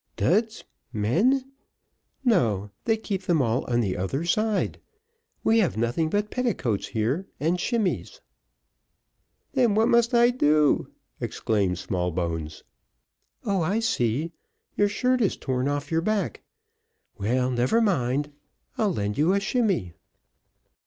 "Duds, men! No, they keep them all on the other side. We have nothing but petticoats here and shimmeys." "Then what must I do?" exclaimed Smallbones. "Oh, I see, your shirt is torn off your back. Well, never mind, I'll lend you a shimmey."